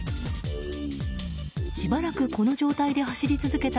しばらくこの状態で走り続けた